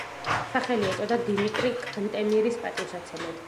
სახელი ეწოდა დიმიტრი კანტემირის პატივსაცემად.